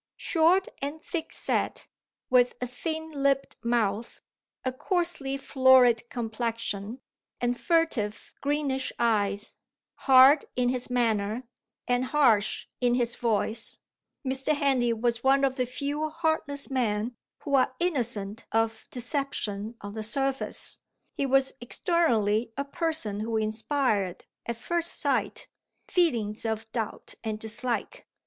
Short and thick set, with a thin lipped mouth, a coarsely florid complexion, and furtive greenish eyes; hard in his manner, and harsh in his voice; Mr. Henley was one of the few heartless men, who are innocent of deception on the surface: he was externally a person who inspired, at first sight, feelings of doubt and dislike.